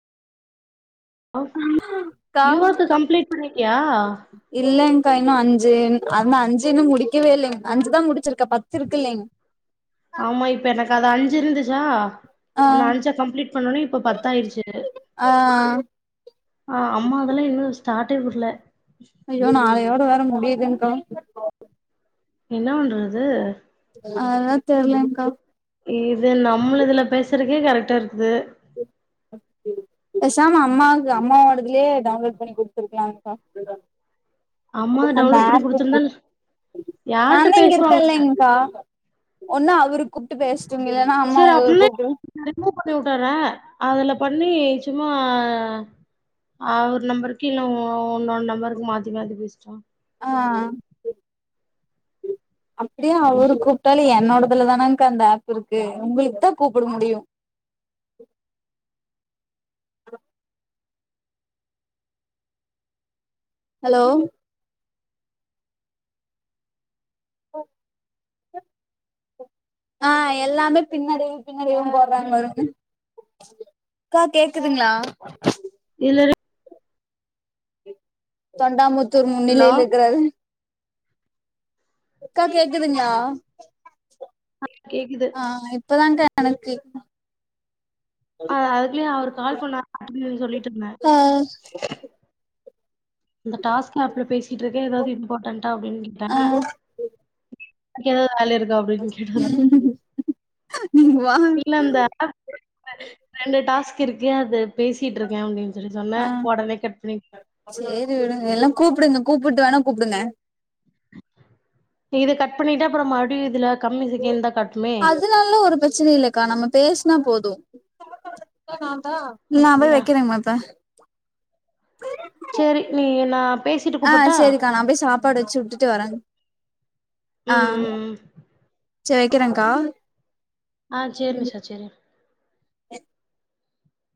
க்கா யுவாக்கு கம்ப்ளீட் பண்ணிட்டியா இல்லலைங்க்கா இன்னு அஞ் சி அந்த அஞ்சுன்னு முடிக்கவே இல்லைங்க அஞ்சுதா முடிச்சிருக்கே பத்து இருக்குல்லைங் ஆமா இப்ப எனக்கு அது அஞ்சு இருந்துச்சா ஆ அந்த அஞ்ச கம்லீட் பண்ணோனே இப்ப பத்தாயடுச்சு ஆ ஆ அம்மா அதெல்லா [unintelligible] சாட்டே கூட்ல ஐயோ நாளையோட வேற மு முடியுதுங்க்கா என்ன பண்றது அதா தெர்லங்க்கா இது நம்முளுதுல பேசறக்கே கரெக்டா இருக்கு து பேசாம அம்மாவுக்கு அம்மாவோடதுலயே டவுன்லோட் பண்ணி குடுத்துருக்கலாக்கா அம்மா அந்த டவுன்லோட் பண்ணி குடுத்துருந்தால் [unintelligible] யார்ட்ட நாந்தெ இங்க இருக்க பேசுவாங்க இல்லைங்க்கா ஒன்னா அவருக் செரி அப்பனா ரிமு பண்ணி வுட்டறே அதுல பண்ணி சும்மா ஆ ஒரு நம்பருக்கி இன்னு இன்னொன் நம்பருக்கு மாத்தி மாத்தி பேச்ட்டா ஆ அப்டியே அவரு கூப்ட்டாலே என்னோடதுல தானங்க்கா அந்த ஆப் இருக்கு உங்ளுக்கு தா கூப்புட முடியு ஹலோ ஓ ஆ எல்லாமே பின்னடைவு பின்னடைவுனு போட்றாங்க [unintelligible] அக்கா கேக்குதுங்களா இல்லடி தொண்டாமுத் துர் ஹலோ முன்னிலையில இருக்காரு அக்கா கேக்குதுங்ளா கேக்குது ஆ இப்பதாங்க்கா கணக்கு ஆ அதுக்குள்யே அவரு கால் பண்ண [inaudible] அப்டின்னு சொல்லிட்டு இருந்த ஆ இந்த டாஸ்க் ஆப்ல பேசிட்டு இருக்கே எதாவது இம்பார்ன்டா அப்டின்னு ஆ கேட்டேனா [unintelligible] வேல இருக்கா அப்டின்னு கேட்டாரு நீங்க வா இல்ல அந்த ரெண்டு டாஸ்க் இருக்கு அத பேசிட்டு இருக்கேன் அப்டின்னு செரி சொன்ன உடனே கட் பண்ணி ரி விடுங்க எல்லா கூப்பிடுங்க கூப்பிட்டு வேணா கூப்பிடுங்க இது கட் பண்ணிட்டா அப்றோ மறுடி இதுல கம்மி செகண்ட் தான் கட்டுமே அதனாலலா ஒரு பிரச்சனை இல்லக்கா நம்ம பேசினா போது நான் போய் அப்படியா வெக்கிறேன்ங்மா இப்ப நா ஆ செரிக்கா நான் போய் சாப்பாடு வெச்சு விட்டுட்டு வரன் ஆ ம் ம் ம் செரி வெக்கிறன்க்கா ஆ சேரி நிஷா சேரி